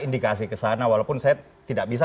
indikasi kesana walaupun saya tidak bisa